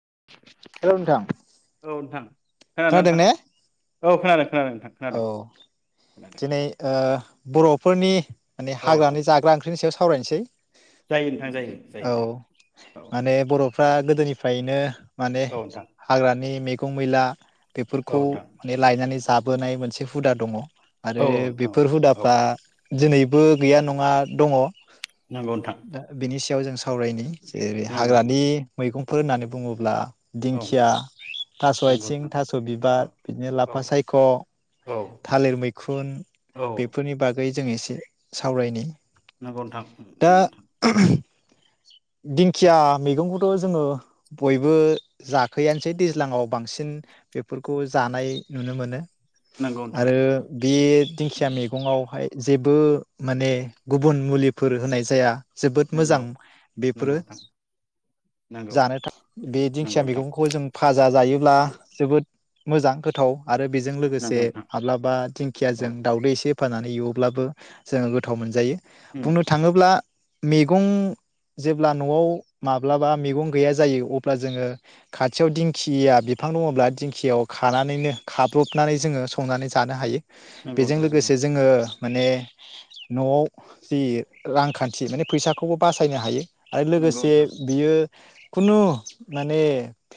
[inaudible] औ नोंथां ना खोनादों नोंथां ने औ खोनादों खोनादों नोंथां खोनादों औ खोनादों दिनै ओ बर'फोरनि माने औ नोंथां हाग्रानि जाग्रा ओंख्रिनि सायाव सावरायनोसै जायो नोंथां जायो जायो नोंथां औ फ्रा गोदोनिफ्रायनो माने हाग्रानि मेग खौ मैला औ बेफोरखौ नोंथां माने लायनानै जा जाबोनाय मोनसे हुदा दङ आरो औ नोंथां बेफोर औ औ नोंथां औ हुदाफ्रा दिनैबो गैया नङा दङ नंगौ नोंथां दा बेनि सि [unintelligible] जों सावरायनायनि जेरै नंगौ हाग्रानि नोंथां मैगं फो होननानै बुङोब्ला औ दिंखिया थास' नोंथां नंगौ आयथिं नोंथां थास' बिबार बिदिनो औ औ लाफा सायख' थालिर मैखुन औ बेफोरनि बागै जों एसे ए सावरायनि नोंगौ नोथां दा नोंगौ नोथां दिंखिया मैगंखौथ जोङो बयबो जाखोयानोसै दैज्लाङाव बांसिन बेफोरखौ जानाय नुनो मोनो नोंथां आरो बे दिंखिया मैगङावहाय जे बो माने गुबुन मुलिफोर होनाय जाया। जोबोद नंगौ मोजां बेफोरो नोंथां नंगौ जानो था बे दिंखिया नंगौ नोंथां मैगंखौ जों भाजा जायोब्ला जोबोद मोजां गोथाव। आरो बेजों लोगोसे नंगौ नंगौ नोंथां नंगौ नोंथां माब्लाबा औ दिंखियाजों दावदै एसे फानानै एवोब्लाबो जोङो गोथाव मोनजायो। उम बुंनो थाङोब्ला मेगं जेब्ला न'आव माब्लाबा मेगं गैया जायो अब्ला जोङो खाथियाव दिंखिया बिफां दङब्ला दिंख खियाव खानानैनो खाब्रबनानै जोङो संनानै जानो हायो। नंगौ बेजों नोंथां लोगोसे जोङो माने न'आव जि रांखान्थि माने फैसाखौबो बासायनो हायो। आरो नंगौ लोगोसे नोंथां बियो खुनु माने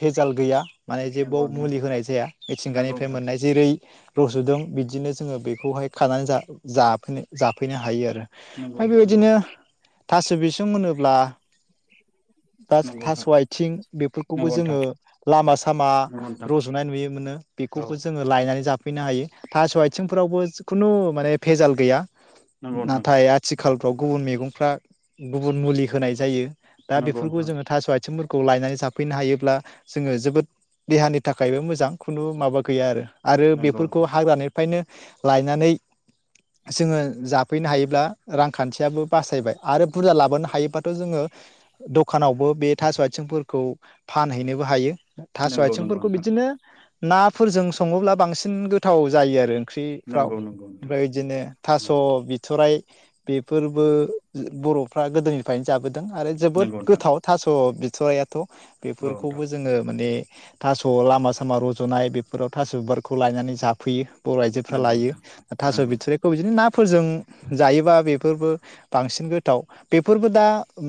भेजाल गैया। माने नंगौ जेबाव नोंथां मुलि होनाय जाया मिथिंगानिफ्राय मोननाय जेरै रज'दों बिदिनो जोङो बेखौहाय खानानै जा जाफैनो जाफैनो हायो आरो। नंगौ नोंथां नंगौ ओमफ्राय नोंथां बेबायदिनो थास' बिसं होनोब्ला दा नंगौ नंगौ थास' नोंथां आइथिं बेफोरखौबो नंगौ नोंथां जोङो लामा-सामा नंगौ नोंथां रज'नाय नुयोम मोनो औ बेखौबो जोङो लायनानै जाफै फैनो हायो थास' आइथिंफोरावबो खुनु माने भेजाल गैया। नंगौ नोंथां नाथाय आथिखालफ्राव गुबुन मैगंफ्रा गुबुन मुलि होनाय जायो। दा नंगौ बेफोरखौ नोंथां जोङो थास' आइथिंफोर खौ लायनानै जाफैनो हायोब्ला जोङो जोबोद देहानि थाखायबो मोजां खुनु माबा गैया आरो। आरो नंगौ बेफोरखौ नोंथां हाग्रानिफ्रायनो लायनानै जोङो जाफैनो हायोब्ला रांखान्थियाबो बासायबाय आरो बुरजा लाबोनो हायोबाथ' जोङो दखानावबो बे थास' आथिंफोरखौ फानहैनोबो हायो। थास' नंगौ नंगौ आथिंफोरखौ नोंथां बिदिनो नाफोरजों सङोब्ला बांसिन गोथाव जायो आरो। ओंख्रिफ्राव नंगौ ओमफ्राय इदिनो थास' बिथ'राइ बेफोरबो बर'फ्रा गोदोनिफ्रायनो जाबोद दों आरो जोबोद नंगौ नोंथां गोथाव थास' बिद सयाथ' नंगौ बेफोरखौबो जोङो माने थास' लामा सामा रज'नाय बेफोराव थास' बिबारखौ लायनानै जाफैयो बर' आइजोफ्रा नंगौ लायो नोंथां थास' औ बिथोरिखौ बिदिनो ना फोरोजों जायोबा बेफोरबो बांसिन गोथाव बेफोरबो दा ओम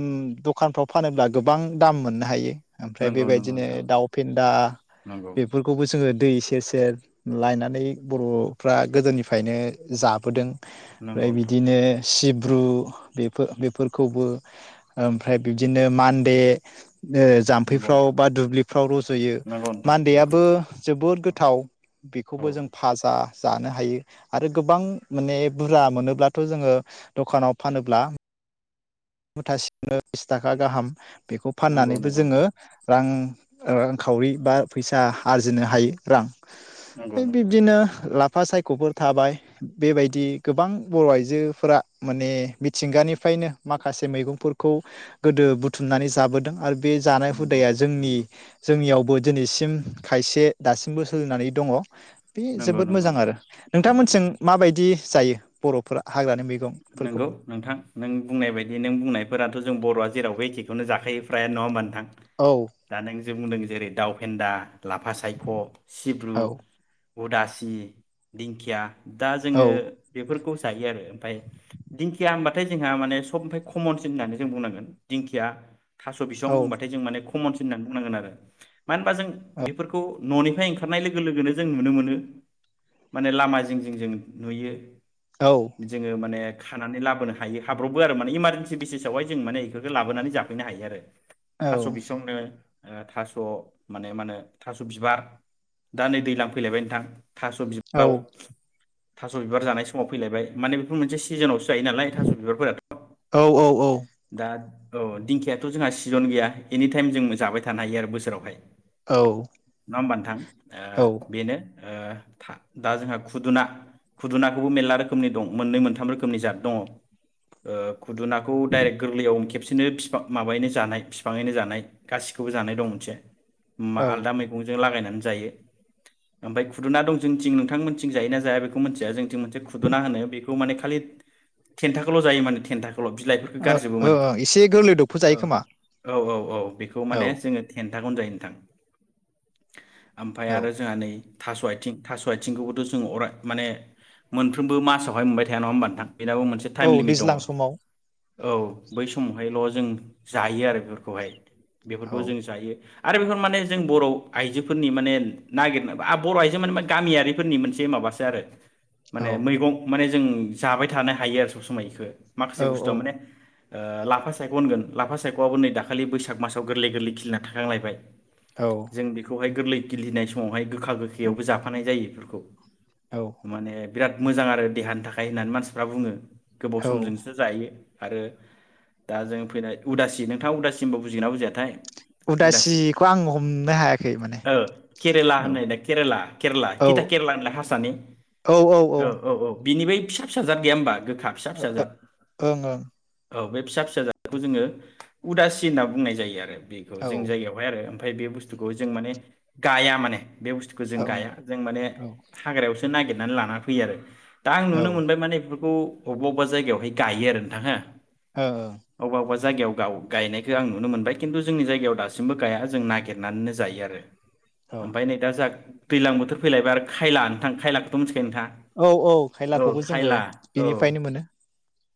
दखानफ्राव फानोब्ला गोबां दाम मोननो हायो नोंथां ओमफ्राय नंगौ बेबायदिनो नोंथां दाउ दा नंगौ नंगौ बेफोरखौबो जों जोङो दै सेर सेर लायनानै बर'फ्रा गोदोनिफ्रायनो जाबोदों नंगौ ओमफ्राय नोंथां बिदिनो सिब्रु बेफो-बेफोरखौबो ओमफ्राय बिब्दिनो मान्दे ओ नंगौ जाम्फैफ्राव बा दुब्लि फाव रज'यो नंगौ नोंथां नंगौ नोंथां नंगौ नोंथां नंगौ मान्देयाबो जोबोर गोथाव औ बेखौबो जों भाजा जानो हायो आरो गोबां माने बुरजा मोनोब्लाथ' जोङो दखानाव फानोब्ला मुथासेयावनो बिस थाखा गाहाम बेखौ नंगौ फाननानैबो नंगौ जोङो नोंथां रां ओ रांखावरि बा फैसा आरजिनो हायो रां नंगौ नंगौ बिब्दिनो लाफा सायख'फोर थाबाय बेबायदि गोबां बर' आइजोफोरा माने मिथिंगानिफ्रायनो माखासे मैगंफोरखौ गोदो बुथुमनानै जाबोदों आरो बे जानाय नंगौ हुदाया जोंनि नंगौ जोंनियावबो दिनैसिम खायसे दासिमबो सोलिनानै दङ बे नंगौ नंगौ जोबोद मोजां आरो नोंथां नंगौ नोंथांमोननिथिं माबायदि? जायो बर'फोरा हाग्रानि मै नोंगौ नोंथां नों बुंनाय बाय दि नों बुंनायफोराथ' जों बर'आ जेरावबो एखेखौनो जाखायो प्रायानो नङा होनबा नोंथां औ दा नों जि बुंदों जेरै दाउ फेन्दा लाफा सायख', सिब्रु औ उदासि, दिंखिया दा औ जोङो बेफोरखौ ज जायो आरो ओमफ्राय दिंखिया होनबाथाय जोंहा माने सबनिफ्राय खमनसिन होननानै जों बुंनांगोन दिंखिया थास' बिसं औ होनबाथाय जों माने ख खमनसिन होननानै बुंनांगोन आरो मानो होनबा जों औ बेफोरखौ न'निफ्राय ओंखारनाय लोगो लोगोनो जों नुनो मोनो माने लामा जिं जिं जों नुयो। औ जोङो माने खानानै लाबोनो हायो हाब्रबो आरो माने इमारजेन्सि बेसिसावहाय जों माने इफोरखो लाबोनानै जाफैनो हायो आरो। थास' बिसं नो अ थास' माने मा होनो थास' बिबार दा नै दैज्लां फैलायबाय नोंथां। थास' बिबाव थास' बिबार जानाय समाव फैलायबाय माने बेफोर मोनसे सिजोनावसो जायो नालाय थास' बिबारफोराथ औ औ औ। दा औ दिंखियाथ जोंहा सिजन गैया एनिटाइम जों जाबाय थानो हायो आरो बोसोरावहाय औ। नङा होनबा नोथां ओ बेनो ओ था दा जोंहा खुदुना खुदुनाखौबो मेरला रोखोमनि दं मोननै मोनथाम रोखोमनि जाद दङ ओ खुदुनाखौ दायरेक्ट गोरलैयाव खेबसेनो फिफां माबायैनो जानाय फिफाङैनो जानाय गासिखौबो जानाय दं मोनसे। मा औ ओ आलदा मै जों लागायनानै जायो ओफ्राय खुदुना दं जोंंनिथिं नोंथांमोनथिं नोंथांमोननिथिं जायोना जाया बेखौ मोनथिया जों निथिं मोनसे खुदुना होनो बेखौ थ माने खालि थेनथाखोल' जायो माने थेनथा ओ ओ एसे गोरलै दफखौ औ जायो खोमा। औ औ औ। बेखौ औ माने जोङो थेन नथाखौनो जायो नोंथां। ओमफाय औ आरो जोंहा नै थास' आथिं थास' आथिंखौबोथ जों अराय माने मोनफ्रोमबो मासावहाय मोनबाय थाया नङा होमबा नोंथां। बेनाबो मोनसे टाइम औ लिमिट दङ। दैज्लां समाव औ बै समावहायल जों जायो आरो बेफोरखौहाय। औ बेफोरखौ जों जायो। आरो बेखौ माने जों बर' आइजोफोरनि माने नागिरनाय बर' आइजो माने गामियारिफोरनि मोनसे माबासो आरो। औ माने मैगं माने जों जाबाय थानो हायो आरो सब समाय इखो। माखासे औ बुस्थुआ औ माने ओ लाफा सायख होनगोन लाफा सायख'आबो नै दाखालि बैसाग मासाव गोरलै गोरलै खिलिना थाखांलायबाय। औ जों बेखौहाय। गोरलै गिलिनाय समावहाय गोख खा उम गोखैयावबो जाफानाय जायो बेफोर खौ। औ माने। बिराद मोजां आरो देहानि थाखाय होननानै मानसिफ्रा बुङो। गोबाव औ समजोंसो जायो। आरो दा जों फैनाय उदासि नोंथाङा उदासिमबो बुजिगोना बुजियाथाय। उदासि उदासिखौ आं हमनो हाया ओ केरेला होनो केरेला केरेला औ तिथा केरेला होनलाय हारसानि औ ओं औ ओं औ औ। बिनिफ्राइ फिसा फिसा जाद गैया होमबा गोखा फिसा फिसा जाद [unintelligible] ओं ओं। औ बे फिसा फिसा जादखौ जोङो उदासि होनना बुंनाय जायो आरो। बेखौ औ जोंनि जायगायावहाय आरो। ओमफ्राइ बे बुस्थ थुखौ जों माने गाया माने। बे बुस्थुखौ जों ओं गाया जों माने ओं हाग्रायाव सो नागिरनानै लाना फैयो आरो। दा आं औ नुनो मोनबाय माने इफोरखौ। अबेबा अबेब जायगायावहाय गायो आरो नोंथां हो। औ औ। अबेबा अबेबा जायगायाव गाव गायनायखौ आं नुनो मोनबाय खिन्थु जोंनि जायगायाव दासिमबो गाया जों नागिर नानैनो जायो आरो। ओमफ्राय नै दा जोंहा दैलां बोथोर फैलायबाय आरो खायला नोंथां खायलाखौथ' मोन्थि औ औ खायलाखौबो जोङो औ बेनिफ्रायनो मोनो।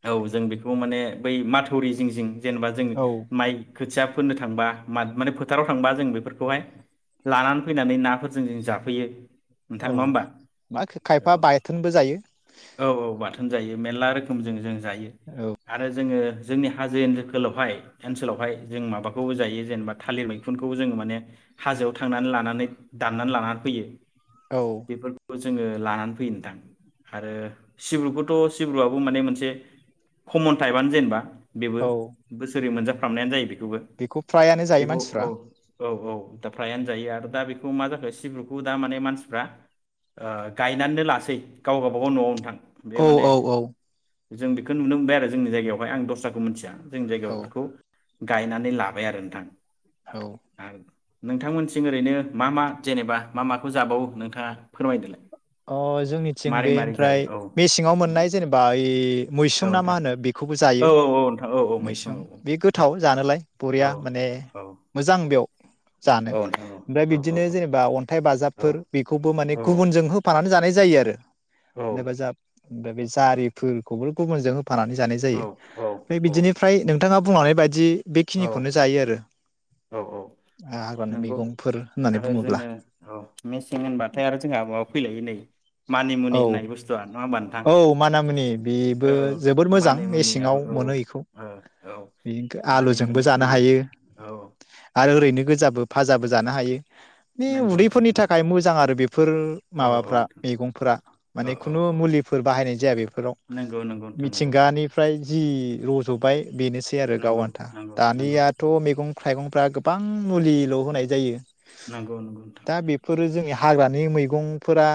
औ जों बेखौ माने बै माथौरि जिं जिं। जेनेबा जों औ माइ। खोथिया फोनो थांबा मा माने फोथाराव थांबा। जों बेफोरखौहाय लानानै फैनानै नाफोरजों जों जाफैयो। नोंथां औ नङा होमबा मा औ खायफा बाथोनबो जायो। थोन जायो मेरला रोखोमजों जों जायो औ आरो जोङो। जोंनि हाजो [unintelligible] ओनसोलावहाय जों माबाखौबो जायो जेनेबा थालिर मैखुन खौ जोङो माने हाजोआव थांनानै लानानै दाननानै लानानै फैयो। औ [unintelligible] बेफोरखौ जों जोङो लानानै फैयो नोंथां आरो सिब्रुखौथ' सिब्रुआबो माने मोनसे कमन टाइपनो जेनेबा बेबो औ बोसोरै मोनजा खालामनायानो जायोबे बेखौ फ्रायानो जायो मानसिफ्रा औ औ दा फ्रायानो जायो आरो दा बेखौ मा जाखो सिब्रुखौ दा माने मानसिफ्रा ओ गायनानो लासै गाव बागाव न'आव नोंथां। बे औ माने औ औ जों बेखौ नुनो मोनबाय आरो जोंनि जायगायावहाय आं दस्राखौ मोथिया जोंनि जायगायाव औ इफोरखौ गायनानै लाबाय आरो नोंथां हौ - आं नोंथांमोनथिं ओरैनो मा मा जेनेबा मा माखौ जाबावो नोंथाङा फोरमायदोलाय। अ जोंनिथिं मारै बे मारै जायो ओमफ्राय औ मेसेंआव उम मोननाय जेनेबा ओय औ मैसुं ना मा नोंथां होनो बेखौबो औ जायो औ औ नोंथां औ औ मैसुं औ बे गोथाव जानोलाय औ बरिया माने औ मोजां बेयाव जानो औ नोंथां ओमफ्राय औ औ बिदिनो जेनेबा अन्थाइ औ बाजाबफोर बेखौबो माने औ गुबुनजों हो फानानै जानाय जायो आरो औ अन्थाय बाजाब दा बे जारिफोरखौबो गुबुनजों फानानै जानाय औ जायो बिदिनिफ्राय नों नोंथाङा बुंलानाय बायदि बेखिनिखौनो जायो आरो औ औ हाग्रानि नंगौ मैगंफोर होननानै आरो बुङोब्ला जोङो औ मेसिं होनबाथाय आरो जोंहा माबा फै [unintelligible] मानिमुनि औ होननाय बुस्थुआ नङा होनबा औ मानामुनि बेबो जोबोद मोजां मेसेंआव मानिमुनियाबो औ मोनो इखौ औ औ बेखौ आलुजोंबो मानिमुनि जानो फैयो हायो। औ आरो ओरैनो गोजाबो फाजाबो जानो हायो। बे नंगौ नोंथां उदैफोरनि नंगौ थाखाय मोजां आरो बेफोर औ औ माबाफ्रा नोंथां मेगंफ्रा औ माने औ खुनु औ मुलि बाहायनाय जाया बेफोराव नंगौ नंगौ नोंथां नंगौ मिथिंगानिफ्राय जि रज'बाय बेनोसै आरो गाव नंगौ आन्था नंगौ नंगौ दानियाथ' मेगं थाइगंफ्रा गोब बां मुलिल' होनाय जायो नंगौ नंगौ नोंथां दा बेफोरो जोंनि हाग्रानि मैगंफोरा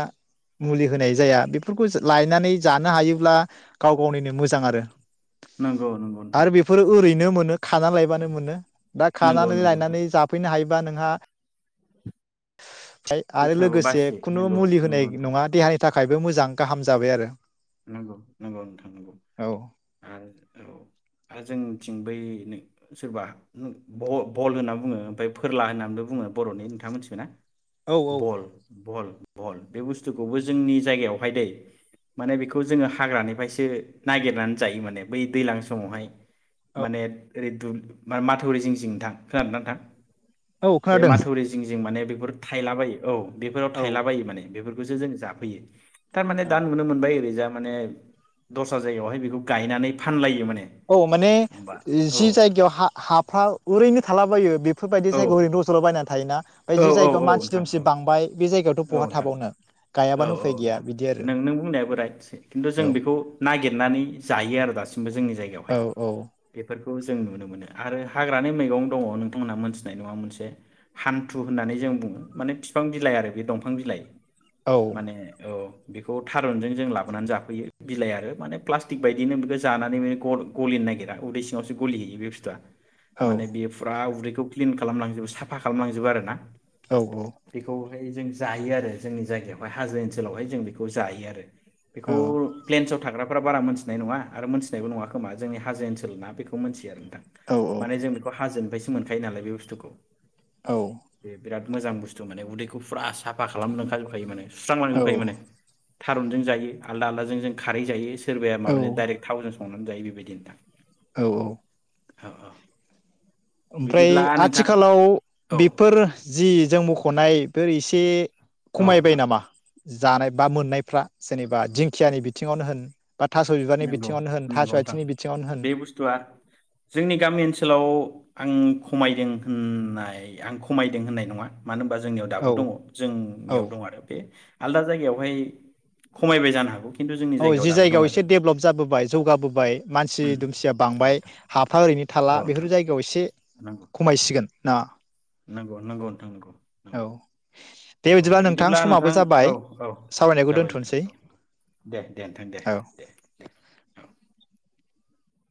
मुलि होनाय जाया बेफोरखौ जो लायनानै जानो हायोब्ला गाव गावनिनो मोजां आरो नंगौ नंगौ नोंथां आरो बेफोरो ओरैनो मोनो खानानै लायबानो मोनो दा नंगौ खानानै नंगौ नोंथां लायनानै जाफैनो हायो। बा नोंहा आरो बैसागु लोगोसे बासियो खुनु नंगौ मुलि होनाय नंगौ नोंथां नङा देहाय थाखायबो मोजां गाहाम जाबाय आरो नंगौ नंगौ नोंथां औ आरो औ आरो जोंथिं बै सोरबा ब-बहल होनना बुङो ओमफ्राय फोरला होननानैबो बुङो बर'नि नोंथांङा मिथिगौना औ औ बल बहल बहल बे बुस्थुखौबो जोंनि जायगायावहाय दै माने बेखौ जोङो हाग्रानिफ्रायसो नागिरनानै जायो माने बै दैज्लां समावहाय औ माने ओरै दु-माथौरि जिं जिं थां खोननानै नोंथां औ बे खोनादों माथौरि जिं जिं माने बेफोर थायलाबायो औ बेफोराव औ थायलाबायो माने बेफोरखौसो जों जाफैयो। थार माने दान ओमफ्राय ओरैजा माने दस्रा जायगायाव गायना फानलायो औ माने होमबा औ जि जायगायाव हा-हाफ्रा ओरैनो थालाबायो बे फोरबायदि औ जायगायाव रज'ला बायना थायो ना ओमफ्राय औ जि औ जायगायाव औ मानसि नोंथां दुमसि औ बांबाय बे जायगायाव औ नोंथां औ औ नोंथां बिदि आरो नों नों बुंनायाबो राइटसै खिन्थु जों औ बेखौ नागिरनानै जायो आरो दासिम बो जोंनि जायगायावहाय औ औ बेफोर खौ जों नुनो मोनो आरो हाग्रानि मैगं दङ नोंथांमोनहा मोनथिनाय नङा मोनसे हान्थु होननानै जों बुङो माने बिफां-बिलाइ आरो बे दंफां बिलाइ औ माने औ बेखौ थारुनजों जों लाबोनानै जाफैयो बिलाइ आरो माने प्लास्टिक बायदिनो बेखौ जानानै गलिनो नागिरा उदै सिङावसो गलिहैयो बे बुस्थुआ औ माने बेयो फुरा उदै खौ क्लिन खालामलांजोबो साफा खालामलांजोबो आरो ना औ औ ओमफ्राय जों जायो आरो जोंनि जायगायावहाय हाजो ओनसोलावहाय जों बेखौ जायो आरो बेखौ प्लेनस थाग्रा बारा मोनथिनाय नङा आरो मोनथिनायबो नङा खोमा जोंनि हाजो ओनसोल ना बेखौ मोनथियो आरो औ माने जों बेखौ हाजोनिफ्रायै मोनखायो नालाय बे बुस्थुखौ औ बे बिराद मोजां बुस्थु माने उदैखौ बे फुरा साफा खालाजोबखायो माने सुस्रां औ लांजोबखायो औ माने थारुनजों जायो आलदा आलदाजों खारै जायो सोरबाया औ माबानि डाइरेक थावजों संनानै जायो। बिदिन्था औ औ औ औ बिदिब्ला ओमफ्राय नोंथां आथिखालाव औ बेफोर जि जों मख नाय एसे औ खमायबाय नोंथां नामा? जानाय बा मोननायफ्रा जेनेबा दिंखियानि बिथिङावनो होन बा थास' बिबारनि नंगौ बिथिङावनो होन थास' नंगौ नोंथां आथिंनि बिथिङावनो होन बे बुस्थुआ जोंनि गामि ओनसोलाव आं खमायदों होननाय आं खमायदों होननाय नङा। मानो होनबा जोंनियाव दाबो औ दङ औ जोंनियाव दङ आरो बे आलदा जायगायावहाय खमायबाय जानो हागौ। खिन्थु जोंनि औ जायगायाव जि दाबो दं एसे आरो डेभलप जाबोबाय जौगाबोबाय मानसि उम दुमसिया औ बांबाय नोंथां हाफा ओरै थाला औ बेफोर नोंथां जायगायाव एसे नंगौ खमायसिगोन। ना नंगौ नंगौ नोंथां नंगौ नंगौ औ दे औ बिदिब्ला समाबो नोंथां जाबाय औ औ सावरायनायखौ जाबाय नोंथां दोनथ'नोसै औ दे दे नोंथां दे औ दे दे औ